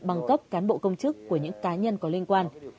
bằng cấp cán bộ công chức của những cá nhân có liên quan